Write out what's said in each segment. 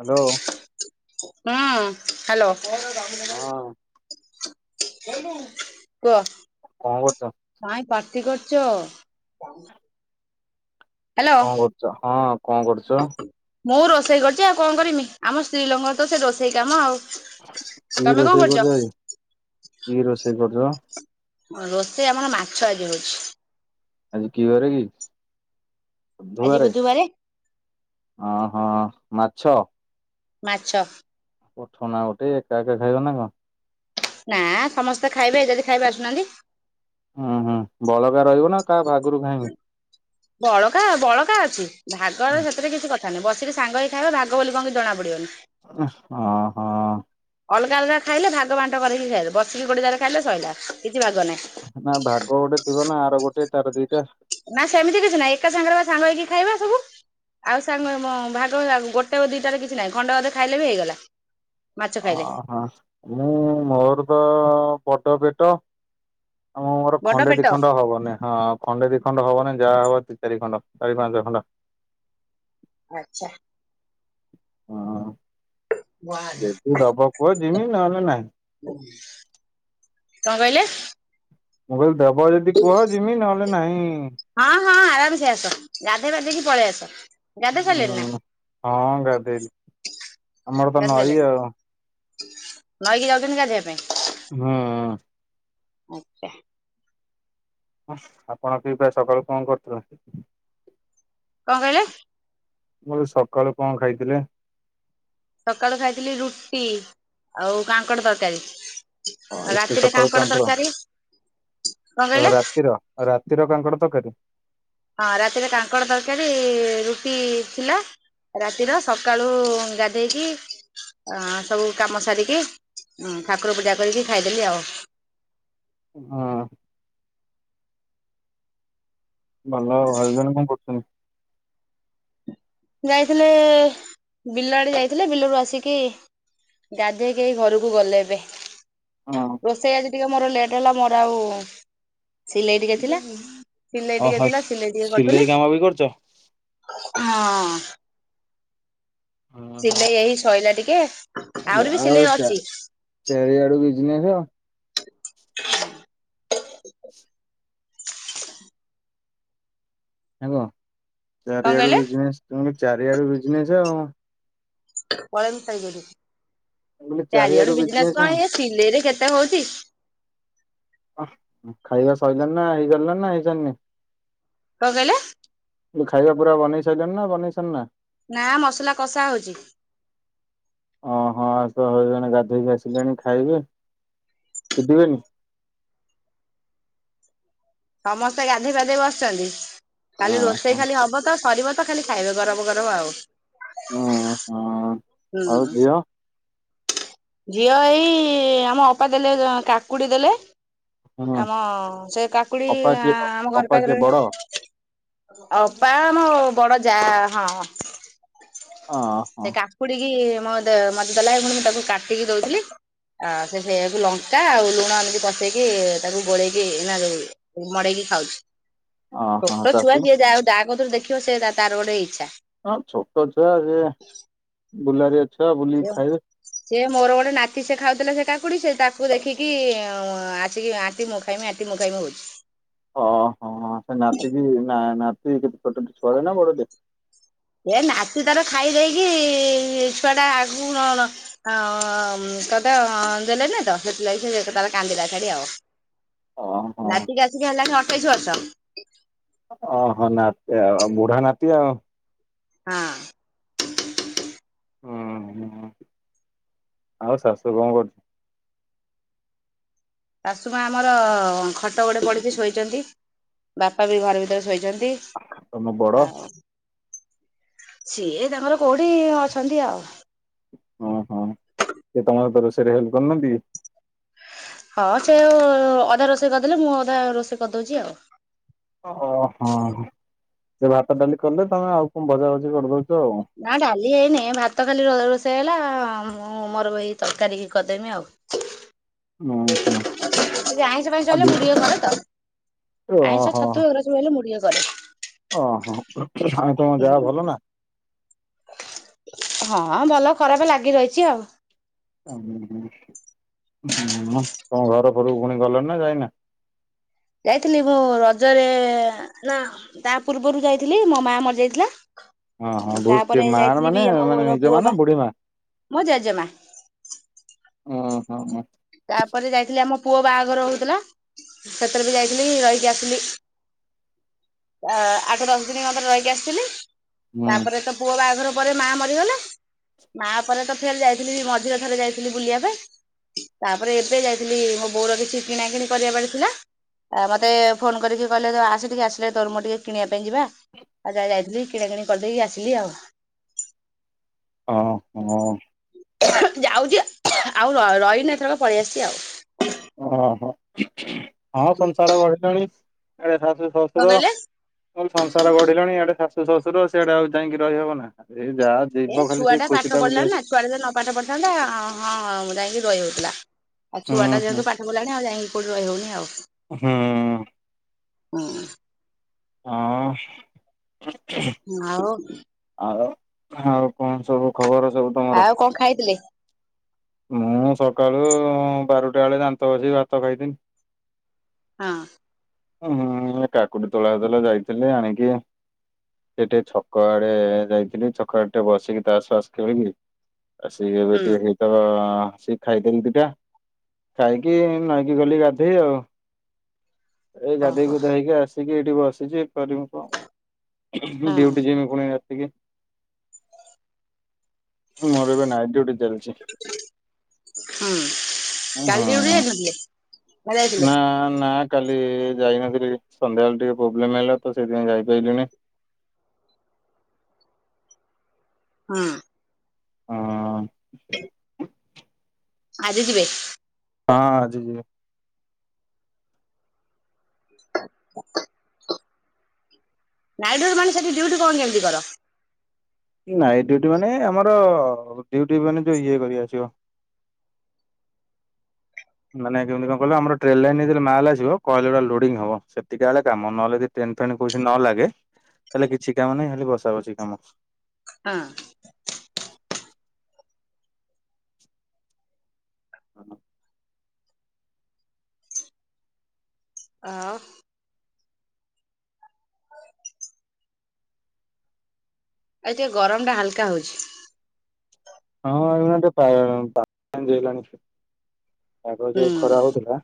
Hello. ହୁଁ hello. [unintelligible] ହଁ କୁହ। କଣ କରୁଚ? କାଇଁ ପାଟି କରୁଚ। ହ୍ୟାଲୋ କଣ କରୁଚ ହଁ କଣ କରୁଚ? ମୁଁ ରୋଷେଇ କରୁଚି ଆଉ କଣ କରିମି। ଆମ ସ୍ତ୍ରୀଲୋଙ୍କର ତ ସେଇ ରୋଷେଇ କାମ ଆଉ। କି ତମେ କଣ ରୋଷେଇ କରୁଛ କରୁଚ କି? କି ରୋଷେଇ କରୁଚ? ରୋଷେଇ ଆମର ମାଛ ଆଜି ହଉଚି। ଆଜି କି ବାରେ କି? ଆଜି ବୁଧୁବାରେ। ବୁଧବାରେ। ଅ ହଁ ମାଛ। ମାଛ। ପଠାଉନା ଗୋଟେ ଏକା ଏକା ଖାଇବ ନା କଣ। ନା ସମସ୍ତେ ଖାଇବେ ଯଦି ଖାଇବେ ଆସୁନାହାନ୍ତି। ହୁଁ ହୁଁ। ବଳକା ରହିବ ନା କାହା ଭାଗରୁ ଖାଇଁମି? ବଳକା ବଳକା ଅଛି। ଭାଗର ସେଥିରେ କିଛି କ କଥା ନାହିଁ। ବସିକି ସାଙ୍ଗ ହେଇକି ଖାଇବ ଭାଗ ବୋଲି କିଛି ଜଣା ପଡିବନି। ଅ ହଁ। ଅଲଗା ଅଲଗା ଖାଇଲେ ଭାଗ ବାଣ୍ଟ କରିକି ଖାଇବ। ବସିକି ଗୋଟେ ଯାଗାରେ ଖାଇଲେ ସଇଲା କିଛି ଭାଗ ନାହିଁ। ନା ଭାଗ ଗୋଟେ ଥିବ ନା ଆର ଗୋଟେ ତାର ଦିଟା। ନା ସେମିତି କିଛି ନାହିଁ। ଏକା ସାଙ୍ଗରେ ବା ସାଙ୍ଗ ହେଇକି ଖାଇବା ସବୁ ଆଉ ସାଙ୍ଗ ମୋ ଭାଗ ଆଉ ଗୋଟେ ଓ ଦିଟାରେ କିଛି ନାହିଁ। ଖଣ୍ଡ ଅଧେ ଖାଇଲେ ବି ହେଇଗଲା। ମାଛ ଅ ଖାଇଲେ। ହଁ। ମୁଁ ମୋର ତ ବଡ ପେଟ। ଆମ ମୋର ବଡ ଖଣ୍ଡେ ପେଟ ଦି ଖଣ୍ଡେ ହବନି ହଁ। ଖଣ୍ଡେ ଦି ଖଣ୍ଡ ହବନି। ଯାହା ହବ ଦି ଚାରି ଖଣ୍ଡ ଚାରି ପାଞ୍ଚ ଖଣ୍ଡ। ଆଚ୍ଛା। କଣ ଯେଦି ଦବ କୁହ ଯିମି ନହେଲେ ନାହିଁ। କଂ କହିଲେ। ମୁଁ କହିଲି ଦେବ ଯଦି କୁହ ଯିମି ନହେଲେ ନାହିଁ। ହଁ ହଁ ଆରାମସେ ଆସ ଗାଧେଇ ପାଧେଇକି ପଳେଇ ଆସ। ଗାଧେଇ ସାରିଲେଣି ହଁ ନା ହଁ ଗାଧେଇଲି ଆମର ତ ଗାଧେଇ ନଈ ସାରିଲେଣି ଆଉ। ନଈକି ଯାଉଚନ୍ତି ଗାଧିଇବା ପାଇଁ। ହଁ। ଆଚ୍ଛା। ଆପଣ ଖୀ ପା ସକାଳୁ କଣ କରୀଥିଲ। କଂ କହିଲେ। ମୁଁ କଲି ସକାଳୁ କଣ ଖାଇଥିଲେ। ସକାଳୁ ଖାଇଥିଲି ରୁଟି ଆଉ କାଙ୍କଡ ତରକାରୀ। ହଁ ଏତେ ରାତିରେ ସକାଳୁ କାଙ୍କଡ କାଙ୍କଡ଼ ତରକାରୀ କଣ ତ କହିଲେ? ରାତିର। ଆଉ ରାତିର କାଙ୍କଡ଼ ତକାରୀ। ହଁ ରାତିରେ କାଙ୍କଡ଼ ତରକାରୀ ରୁଟି ଥିଲା। ରାତିର ସକାଳୁ ଗା ଦେଇକି ଅଁ ସବୁ କାମ ସାରିକି ଉଁ ଠାକୁର ପୂଜା କରିକି ଖାଇଦେଲି ଆଉ। ହଁ। ଭଲ ଆଉ ଭାଇ ଜନ୍ କଣ କରୁଚନ୍ତି। ଯାଇଥିଲେ ବିଲ ଆଡେ ଯାଇଥିଲେ ବିଲରୁ ଆସିକି ଗାଧେଇକି ଏଇ ଘରକୁ ଗଲେ ଏବେ। ହଁ ରୋଷେଇ ଆଜି ଟିକେ ମୋର ଲେଟ୍ ହେଲା ମୋର ଆଉ ସିଲେଇ ଟିକେ ଥିଲା ସିଲେଇ ଟିକେ ଓହୋ ଥିଲା ସିଲେଇ ଟିକେ କରିଦେଲି। କାମ ବି କରୁଛ? ହଁ। ହୁଁ ହୁଁ। ସିଲେଇ ଏହି ଶଇଲା ଟିକେ ଆହୁରି ବି ଆଉ ସିଲେଇ ଚାରି ଅଛି। ଚାରିଆଡୁ ବିଜନେସ। ନା କଂ କଣ ଚାରିଆଡୁ କହିଲେ ବିଜନେସ ତୁମ ବି ଚାରିଆଡୁ ବିଜନେସ ଆଉ। [unintelligible] କହିଲି ଚାରିଆଡୁ ଚାରିଆଡ଼ୁ ବିଜନେସ ଆଉ। କଣ ଇଏ ସିଲେଇରେ କେତେ ହଉଚି। ଅହ୍ ଆହଖାଇବା ସଇଲାଣିି ନା ହେଇସାରିଲାଣି ନା ହେଇସାରନେଇ। କଂ କହିଲ। ଲି ଖାଇବା ପୁରା ବନେଇ ସାରିଲେଣୀ ନା ବନେଇସାର୍ ନା। ନା ମସଲା କଷା ହଉଚି। ଓହଁ ଆଶ୍ ତ ହେଇଗଣି ଗାଧେଇକି ଆସିଲେଣି ଖାଇବେ ଚିଡିବେନି। ସମସ୍ତେ ଗାଧେଇ ପାଧେଇ ବସିଚନ୍ତି ଖାଲି ରୋଷେଇ ହଁ ଖାଲି ହବ ତ ସରିବ ତ ଖାଲି ଖାଇବେ ଗରମ ଗରମ ଆଉ। ହଁ ହଁ। ଆଉ ହୁଁ। ଝିଅ ଝିଅ ଏଇ ଆମ ଅପା ଦେଲେ କାକୁଡି ଦେଲେ ହୁଁ ଆମ ସେ କାକୁଡି ଅପା କିଏ ଆମ ଘର ଅପା ପାଖରେ କିଏ ବଡ ଅପା ମୋ ବଡ ଯା ହଁ ହଁ। ହଁ। ସେ କାକୁଡିକି ମୋ ଦେ ମତେ ଦେଲା ଏଇଖୁଣି ମୁଁ ତାକୁ କାଟିକି ଦୋଉଥିଲି। ଆ ସେ ସେୟାକୁ ଲଙ୍କା ଆଉ ଲୁଣ ଏମତି ପସେଇକି ତାକୁ ଗୋଳେଇକି ନା ଯୋଉ ହୁ ମଡେଇକି ଖାଉଛି। ଓହୋ ଛୋଟ ଛୁଆ ଶାଶୁ ଯିଏ ଯାଏ ଆଉ ଦାହା କଥରୁ ଦେଖିବ ସେ ତାର ଗୋଟେ ଇଚ୍ଛା। ହଁ ଛୋଟ ଛୁଆ ସେ ବୁଲାରିଆ ଛୁଆ ବୁଲିକି ସିଏ ଖାଇବେ। ସେ ମୋର ଗୋଟେ ନାତି ସେ ଖାଉଥିଲା ସେ କାକୁଡି ସେ ତାକୁ ଦେଖିକି ଆସିକି ଆଣ୍ଟି ମୁଁ ଖା ଖାଇମି ଆଣ୍ଟି ମୁଖାମିହଉଛି। ହଁ ହଁ ସେ ନାତିକି ନା ନାତି କେତେ ଛୋଟ ଛୁଆ ଟେ ନା ବଡ ଟେ? ଏ ନାତି ତାର ଖାଇ ଦେଇକି ଛୁଆ ଟା ଆଗକୁ ନର ହଁ ତଦ ଦେଲେନି ତ ସେଥିଲାଗି ସେ ତାର କାନ୍ଦିଲା ଛାଡି ଆଉ। ହଁ ହଁ। ନାତିକି ଆସିକି ହେଲାଣି ଅଠେଇଶ ବର୍ଷ। ଓହୋ ନାତି ଆ ବୁଢା ନାତି ଆଉ। ହଁ। ହଁ ହଁ ଆଉ ଶାଶୁ କଣ କରୁ ଶାଶୁମା ଆମର ଖଟ ଗୋଟେ ପଡ଼ିଛି ଶୋଇଛନ୍ତି। ବାପା ବି ଘର ଭିତରେ ଶୋଇଛନ୍ତି। ତମ ବଡ? ଆଉ ସିଏ ତାଙ୍କର କୋଉଠି ଅଛନ୍ତି ଆଉ। ହଁ ହଁ ସିଏ ତମ ତ ରୋଷରେ ହେଲ୍ପ କରିନାହାନ୍ତି କି? ହଁ ସେ ଓ ଅଧା ରୋଷେଇ କରିଦେଲେ ମୁଁ ଅଧା ରୋଷେଇ କରିଦଉଛି ଆଉ। ଓହୋ ସେ ଭାତ ଡାଲି କଲେ ତମେ ଆଉ କଣ ଭଜା ଭଜି କରିଦଉଛ ଆଉ। ନା ଡାଲି ହେଇନି ଭାତ ଖାଲି ର ରୋଷେଇ ହେଲା। ମୁଁ ମୋର ଏଇ ତରକାରୀ କି କରିଦେମି ଆଉ। ନୋ ହୋ। ସେ ଆଇଁଷ ଫାଇଁଷ ହେଲେ ମୁଁ ଟିକେ କରେ ତ ଆଇଁଷ ଓହୋ ଛତୁର ସବୁ ହେଲେ ମୁଁ ଟିକେ କରେ। ଓହୋ। ଓ କେ ହଁ। ହଁ ଭଲ ଖରାପ ଲାଗି ରହିଛି ଆଉ। ତମ ଘର ଫରକୁ ପୁଣି ଗଲେଣି ନା ଯାଇନା? ଯାଇଥିଲି ମୁଁ ରଜରେ ନା ତା ପୂର୍ବରୁ ଯାଇଥିଲି ମୋ ମା ମରି ଯାଇଥିଲା। ଓ ହଁ ତାପରେ ମା ର ଯାଇଥିଲି ବି ମାନେ ଆମ ମାନେ ଘର ନିଜ ପୁଅ ମା ବା ନା ବୁଢୀ ମା? ମୋ ଜେଜେମା ଓହୋ। ତାପରେ ଯାଇଥିଲି ଆମ ପୁଅ ବାହାଘର ହଉଥିଲା। ସେଥିରେ ବି ଯାଇଥିଲି ରହିକି ଆସିଲି। ଆଠ ଦଶ ଦିନ ଖଣ୍ଡେ ରହିକି ଆସିଥିଲି। ହୁଁ ତାପରେ ତ ପୁଅ ବାହାଘର ପରେ ମା ମରିଗଲା। ମା ପରେ ତ ଫେର ଯାଇଥିଲି ମଝିରେ ଥରେ ଯାଇଥିଲି ବୁଲିବା ପାଇଁ। ତାପରେ ଏବେ ଯାଇଥିଲି ମୋ ବୋଉର କିଛି କିଣା କିିଣି କରିବା ପାରି ଥିଲା। ଆ ମତେ ଫୋନ କରିକି କହିଲେ ଆସେ ଟିକେ ଆସିଲେ ତୋ ମୋର ଟିକେ କିଣିବା ପାଇଁ ଯିବା ଆଉ ଯାଇଥିଲି କିଣା କିଣି କରିଦେଇକି ଆସିଲି ଆଉ। ହଁ ହଁ। ଯାଉଛି ଆଉ ରହିନି ଏଥରକ ପଳେଇ ଆସିଛି ଆଉ। ଓହୋ ହଁ ସଂସାର ଗଢିଲାଣି ଏଣେ ଶାଶୁ କଣ ଶଶୁର କହିଲେ ମୁଁ କଲି ସଂସାର ଗଢିଲଣି ଏଆଡେ ଶାଶୁ ଶଶୁର ଆ ସେଆଡ ଆଉ ଯାଇକି ରହିହବ ନା ଏଇ ଯାହା ଏ ଯିବ ଖାଲି ଛୁଆ ସେଇ ଟା ଖୁସି ପାଠ ପଢିଲା ବୁଲେଇ ନା ଛୁଆଟା ଯଦି ନ ପାଠ ପଢିଥାନ୍ତା ହଁ ମୁଁ ଯାଇକି ରହି ହଉଥିଲା। ଆଉ ହୁଁ ଛୁଆଟା ହୁଁ ଯେହେତୁ ପା ପାଠପଢିଲାଣି ଆଉ ଯାଇଁକି କୋଉଠି ରହଉନି ଆଉ। ହୁଁ। ହଁ। ହଁ। ଆଉ ଆଉ ଆଉ କଣ ସବୁ ଖବର ସବୁ? ତମର? ଆଉ କଣ ଖାଇଥିଲେ? ମୁଁ ସକାଳୁ ବାରଟା ବେଳେ ଦାନ୍ତ ଘସି ଭାତ ଖାଇତିନି। ହଁ। ଉୁଁ ହୁଁ କାକୁଡ଼ି ତୋଳା ହଉଥିଲା ଯାଇଥିଲି। ଆଣିକି ଯିବି ଟିକେ ଛକ ଆଡ଼େ ଯାଇଥିଲି ଛକ ଆଡ଼େ ଟିକେ ବସିକି ତାସ୍ ଫାସ୍ ଖେଳିକି ଆସିକି ଏବେ ହୁଁ ଟିକେ ହେଇ ତ ସିକି ଖାଇଦେଲି ଦିଇଟା ଖାଇକି ନଈକି ଗଲି ଗାଧେଇ ଆଉ ଏଇ ଗାଧେଇ ଓହୋ ଗୁଧା ହେଇକି ଆସିକି ଏଇଠି ବସିଛି କରିବି କଣ? ହଁ ଡ୍ୟୁଟି ଯିବି ପୁଣି ରା ତିକି ମୋର ଏବେ ନାଇଟ ଡ୍ୟୁଟି ଚାଲ ଚି ହୁଁ ଅ କାଲି ଡ୍ୟୁଟି ହଁ ଯାଇନଥିଲେ? ଯାଇଥିଲେ ନା ନା କାଲି ଯାଇନଥିଲି ସନ୍ଧ୍ୟାବେଳେ ଟିକେ ପ୍ରୋବ୍ଲେମ ହେଲା ତ ସେଥିପାଇଁ ଯାଇ ପାଇଲିନି। ହଁ। ହଁ। [inaudible] ଆଜି ଯିବେ? ହଁ ଆଜି ଯିବେ। ନାଇଟ ଡ୍ୟୁଟି ମାନେ ସେଠି ଡ୍ୟୁଟି କଣ କେମିତି କର? ନାଇଟ୍ ଡ୍ୟୁଟି ମାନେ ଆମର ଡ୍ୟୁଟି ମାନେ ଯୋଉ ଇଏ କରି ଆସିବ ମାନେ କେମତି କଣ କହିଲ ଆମର ଟ୍ରେନ୍ ଲାଇନ୍ ଭିତରେ ମାଲ୍ ଆସିବ କଏଲ୍ ଗୁରା ଲୋଡିଙ୍ଗ ହବ ସେତିିକା ବେଳେ କାମ ନହଲେ କି ଚେନ୍ ଫେନ୍ କୋଉଠି ନଲାଗେ ହେଲେ କିଛି କାମ ନାହିଁ ଖାଲି ବସା ବସି କାମ। ହଁ। ହଁ। ଆଉ ଆଜି ଟିକେ ଗରମଟା ହାଲକା ହଉଛି। ହଁ ଏଇନା ତ ପା [unintelligible] ପାଗ ହୁଁ ଯୋଉ ଖରା ହଉଥିଲା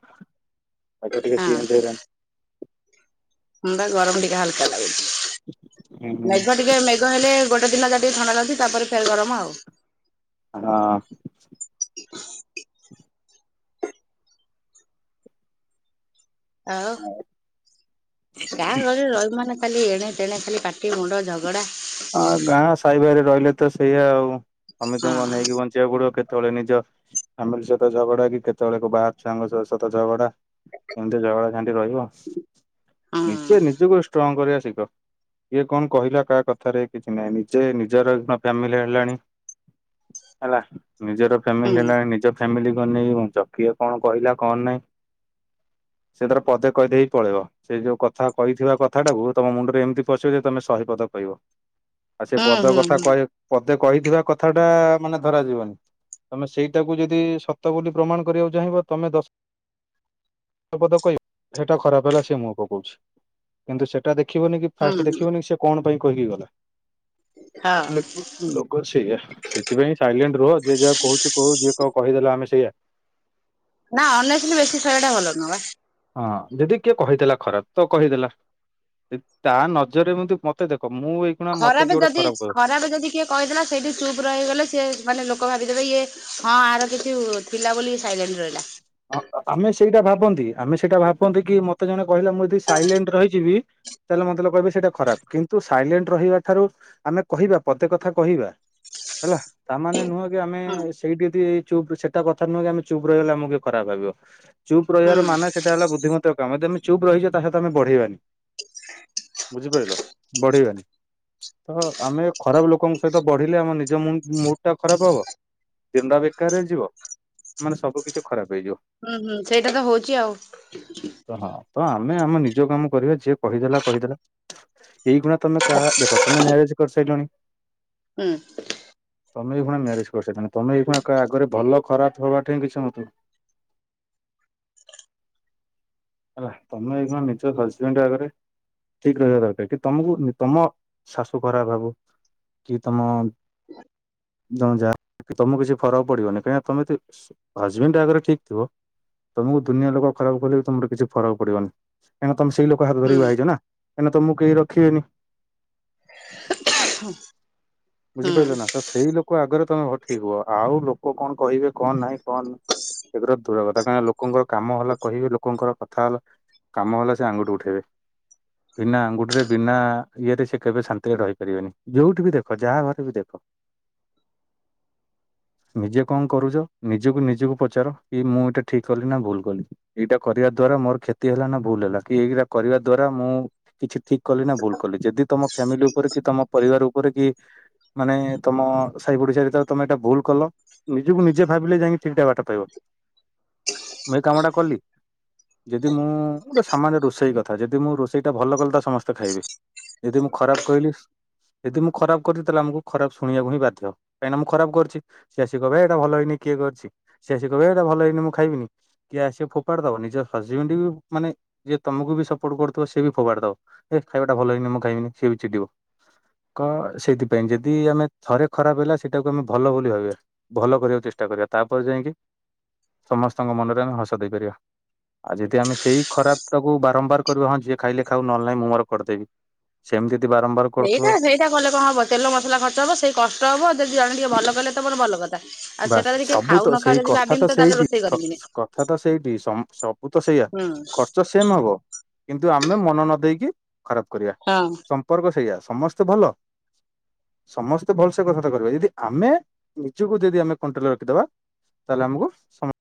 ପାଗ ଟିକେ ହଁ ଚେଞ୍ଜ ହେଲାଣି। ଥଣ୍ଡା ଗରମ ଟିକେ ହାଲକା ଲାଗୁଛି। ହେଇଗଲାଣି। ମେଘ ଟିକେ ମେ ଘ ହେଲେ ଗୋଟେ ଦିନ ଯାହା ଟିକେ ଥଣ୍ଡା ଲାଗୁଛି ତାପରେ ଫେର ଗରମ ଆଉ। ହଁ। ଆଉ ଗାଁ ଗହଳିରେ ରହିବୁ ମାନେ ଖାଲି ଏଣେ ତେଣେ ଖାଲି ପାଟି, ମୁଣ୍ଡ, ଝଗଡ଼ା ହଁ ଗାଁ ସାହି ଭାଇରେ ରହିଲେ ତ ସେଇଆ ଆଉ ସମସ୍ତିଙ୍କୁ ହଁ। ଅନେଇକି ବନ ଞ୍ଚି ବାକୁ ପଡ଼ିବ କେତେବେଳେ ନିଜ ଫ୍ୟାମିଲି ସହିତ ଝଗଡ଼ା କି କେତେବେଳେ ବାହାର ଛୁଆଙ୍କ ସହିତ ଝଗଡ଼ା ଏମିତି ଝଗଡ଼ା ଝାଣ୍ଟି ରହିବ। ହୁଁ ନିଜେ ନିଜକୁ ଷ୍ଟ୍ରଙ୍ଗ କରିବା ଶିଖ କିଏ କଣ କହିଲା କାହା କ ଥା ରେ କିଛି ନାହିଁ ନିଜେ ନିଜର ଫ୍ୟାମିଲି ହେଲାଣି ହେଲା ନିଜର ହୁଁ ଫ୍ୟାମିଲି ହେଲା ନିଜ ଫ୍ୟାମିଲିକୁ ଅନେଇକି ବଞ୍ଚ କିଏ କଣ କହିଲା କଣ ନାଇଁ? ସିଏ ତାର ପଦେ କହିଦେଇ ପଳେଇବ ସେ ଯୋଉ କଥା କହିଥିବା କଥାଟାକୁ ତମ ମୁଣ୍ଡରେ ଏମିତି ପଶିବ ଯେ ତମେ ଶହେ ପଦ କହିବ। ଆଉ ସେ ହୁଁ ପଦ ହୁଁ କଥା ହୁଁ କହି ପଦେ କହିଥିବା କଥାଟା ମାନେ ଧରାଯିବନି। ତମେ ସେଇଟାକୁ ଯଦି ସତ ବୋଲି ପ୍ରମାଣ କରିବାକୁ ଚାହିଁବ ତମେ ଦଶ। ପଦ କହିବ ସେଟା ଖରାପ ହେଲା ସେ ମୁଁହ ପକଉଛି କିନ୍ତୁ ସେଟା ଦେଖିବନି କି। ଫାଷ୍ଟ ହୁଁ ଦେଖିବନି ସେ କଣ ପାଇଁ କହିକି ଗଲା। ହଁ। ଲୋଗ ସେଇଆ। ସେଥିପାଇଁ ସାଇଲେଣ୍ଟ ରୁହ ଯିଏ ଯାହା କହୁଛି କହୁ ଯିଏ କଁ କହିଦେଲା ଆମେ ସେଇଆ। ନା ଅନେସିଲି ବେଶୀ ସହିବାଟା ଭଲ ନୁହଁ ବା। ହଁ ଯଦି କିଏ କହିଦେଲା ଖରାପ ତ କହିଦେଲା। ଯଦି ତା ନଜରରେ ମଧ୍ୟ ମୋତେ ଦେଖ ମୁଁ ଏଇ। ଖରାପେ ଯଦି ଖରାପେ ଯଦି କିଏ। କହିଥିଲା ସେଇଠି ଚୁପ ରହିଗଲେ ସିଏ ମାନେ ଲୋକ ଭାବିଦେବେ ଇଏ ହଁ ଆର କିଛି ଥିଲା ବୋଲି ଇଏ ସାଇଲେଣ୍ଟ ରହିଲା। ହଁ ଆମେ ସେଇଟା ଭାବନ୍ତି ଆମେ ସେଇଟା ଭାବନ୍ତି କି ମୋତେ ଜଣେ କହିଲା ମୁଁ ଯଦି ସାଇଲେଣ୍ଟ ରହିଯିବି। ତାହେଲେ, ମତେ ଲୋକ କହିବେ, ସେଇଟା ଖରାପ। କିନ୍ତୁ, ସାଇଲେଣ୍ଟ ରହିବା ଠାରୁ ଆମେ କହିବା, ପଦେ କଥା କହିବା। ହେଲା, ତାମାନେ ନୁହଁ କି, ଆମେ ହୁଁ ସେଇଠି ଯଦି ଏଇ ଚୁପ୍, ସେଟା କଥା ନୁହେଁ କି, ଆମେ ଚୁପ୍ ରହିଗଲେ, ଆମକୁ କିଏ। ଖରାପ ଭାବିବ। ଚୁପ୍ ହୁଁ। ରହିବାର ମାନେ, ସେଇଟା ହେଲା ବୁଦ୍ଧିମତାର କାମ ଯଦି ଆମେ ଚୁପ୍ ରହିଜିବା, ତା ସହିତ ଆମେ ବଢିବାନି। ବୁଝିପାଇଲ ବଢ଼ିବାନି। ତ, ଆମେ ଖରାପ ଲୋକଙ୍କ ସହିତ ବଢିଲେ, ଆମ ନିଜ ମୁଣ୍ଡ୍ ମୁଡ଼ ଟା ଖରାପ ହବ। ଦିନଟା ବେକାର ରେ ଯିବ। ମାନେ, ସବୁ କିଛି ଖରାପ ହେଇଯିବ। ହୁଁ, ହୁଁ ସେଇଟା ତ ହଉଛି ଆଉ। ତ, ହଁ। ତ, ଆମେ ଆମେ ନିଜ କାମ କରିବା। ଯିଏ କହି ଦେଲା, କହି ଦେଲା। ଏଇ ଖୁଣା ତମେ କାହା ଦେଖ, ତମେ ମ୍ୟାରେଜ କରି ସାଇଲଣି। ହୁଁ। ତମେ ଏଇ ଖୁଣା ମ୍ୟାରେଜ କରିସାରି ଲଣି। ତମେ ଏଇ ଖୁଣା କା ଆଗରେ ଭଲ ଖରାପ ହବା ଠେଇଁ କିଛି ମତ ହେଲା, ତମେ ଏଇ ଖୁଣା ନିଜ ହଜବେଣ୍ଡ୍ ଆଗରେ। ଠିକ୍ ରହିବା ଦରକାର କି, ତମକୁ ତମ ଶାଶୁ ଖରାପ ଭାବୁ। କି, ତମ ତମ ଯା ତମକୁ, କିଛି ଫରକ ପଡିବନି କାହିଁକି ନା, ତମେ ଯଦି। ହଜବେଣ୍ଡ୍ ଆଗରେ ଠିକ ଥିବ, ତମକୁ ଦୁନିଆ ଲୋକ ଖରାପ କଲେ ବି, ତମର। କିଛି ଫରକ ପଡିବନି‌ କାହିଁ ନା, ତମ ସେଇ ଲୋକ ହାତ ହୁଁ ଧରିକି ବାହା ହେଇଛ ନା। କାହିଁ ନା, ତମକୁ କେହି ରଖିବେନି। [inaudible] ବୁଝି ହୁଁ। ପାଇଲେ ନା‌ ସ ସେଇ ଲୋକ ଆଗରେ ତମେ ଭ ଠିକ ହୁଅ ଆଉ ଲୋକ କଣ କହିବେ, କଣ ନାହିଁ, କଣ। ସେଗୁରା ଦୂର କଥା କାଇଁ‌ ନା ଲୋକ ଙ୍କର କାମ ହେଲା କହିବେ ଲୋକଙ୍କର କଥାହେଲା। କାମ ହେଲା, ସେ ଆଙ୍ଗୁଠି ଉଠେଇବେ। ବିନା ଆଙ୍ଗୁଠି ରେ, ବିନା ଇଏରେ, ସେ କେବେ ଶାନ୍ତିରେ ରହି ପାରିବେନି ଯୋଉଠି ବି ଦେଖ। ଯାହା ଘରେ ବି ଦେଖ। [inaudible] ନିଜେ କଣ କରୁଛ, ନିଜକୁ ନିଜକୁ ପଚାର, କି ମୁଁ ଏଇଟା ଠିକ କଲି, ନା ଭୁଲ କଲି। ଏଇଟା କରିବା ଦ୍ଵାରା ମୋର କ୍ଷତି ହେଲା, ନା ଭୁଲ ହେଲା କି, ଏଇଗିରା କରିବା ଦ୍ଵାରା ମୁଁ। କିଛି ଠିକ କଲି, ନା ଭୁଲ କଲି ଯଦି ତମ ଫ୍ୟାମିଲି ଉପରେ କି, ତମ ପରିବାର ଉପରେ କି। ମାନେ, ତମ ସାହି ପଡିଶା, ଭିତରେ ତମେ ଏଇଟା ଭୁଲ କଲ। ନିଜକୁ ନିଜେ ଭାବିଲେ, ଯାଇଁ ଠିକ ଟା ବାଟ ପାଇବ‌ ମୁଁ ଏଇ କାମଟା କଲି। ଯଦି ମୁଁ! ଗୋଟେ ସାମାନ୍ୟ ରୋଷେଇ କଥା, ଯଦି ମୁଁ ରୋଷେଇ ଟା ଭଲ କଲି, ତ ସମସ୍ତେ ଖାଇବେ। ଯଦି ମୁଁ ଖରାପ କହିଲି, ଯଦି ମୁଁ। ଖରାପ କରିଛି, ତାହେଲେ ଆମକୁ ଖରାପ ଶୁଣିବାକୁ ହିଁ ବାଧ୍ୟ କାହିଁକିନା, ମୁଁ ଖରାପ କରିଛି। ସେ ଆସି କହିବେ, ହେ ଏଇଟା ଭଲ ହେଇନି। କିଏ କରିଛି ସେ ଆସି କହିବେ, ହେ ଏଇଟା ଭଲ ହେଇନି‌ ମୁଁ ଖାଇବିନି। କିଏ ଆସିବ ଫୋପାଡି ଦବ। ନିଜ ହଜବେଣ୍ଡ୍ ବି ମାନେ ଯିଏ ତମକୁ ବି ସପୋର୍ଟ କରୁଥିବ ସେ ବି ଫୋପାଡି ଦବ। ହେ ଖାଇବାଟା ଭଲ ହେଇନି ମୁଁ ଖାଇବିନି ସିଏ ବି ଚିଡ଼ିବ। କ ସେଇଥିପାଇଁ ଯଦି ଆମେ ଥରେ ଖରାପ ହେଲା ସେଇଟାକୁ ଆମେ ଭଲ ବୋଲି ଭାବିବା। ଭଲ କରିବାକୁ ଚେଷ୍ଟା କରିବା। ତାପରେ ଯାଇଁକି ସମସ୍ତଙ୍କ ମନରେ ଆମେ ହସ ଦେଇପାରିବା। ଆ ଯଦି ଆମେ ସେଇ ଖରାପ ଟାକୁ ବାରମ୍ବାର କରିବା ହଁ ଯିଏ ଖାଇଲେ ଖାଉ ନହେଲେ ନାଇଁ। ମୁଁ ମୋର କରିଦେବି। ସେମିତି ଯଦି ବାରମ୍ବାର କରୁଥୁବ କା କଲେ କଣ ହବ? ତେଲ ମସଲା ଖର୍ଚ୍ଚ ହବ ସେଇ କଷ୍ଟ ହବ। ଯଦି ଜଣେ ଟିକେ ଭଲ କଲେ ତ ମୋର ଭଲ କଥା। ଆଉ ବାସ୍, ସେଟା ଯଦି କିଏ ସବୁ ଖାଉ ତ ନ ଖାଉ ସେଇ ଯଦି କଥା ଭାବିମି ତ ତାହେଲେ ସେଇଠି। ରୋଷେଇ କରିବିନି ସ କଥା ତ ସେଇଠି। ସମ ସବୁ ସବୁ ତ ସେଇଆ। ହୁଁ ଖର୍ଚ୍ଚ ସେମ୍ ହବ କିନ୍ତୁ ଆମେ ମନ ନ ଦେଇକି ଖରାପ କରିବା। ହଁ। ସମ୍ପର୍କ ସେଇଆ ସମସ୍ତେ ଭଲ। ସମସ୍ତେ ଭଲସେ କଥାବାର୍ତ୍ତା କରିବେ। ଯଦି ଆମେ ନିଜକୁ ଯଦି ଆମେ କଣ୍ଟ୍ରୋଲରେ ରଖିଦବା ତାହେଲେ ଆମକୁ ସମ